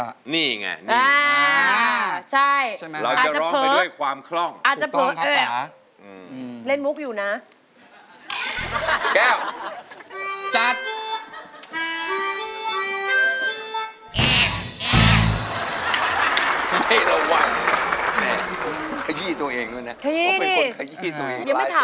ยังไม่ถามดูว่าคืออะไร